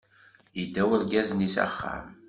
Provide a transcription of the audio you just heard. Idda urgaz-nni s axxam.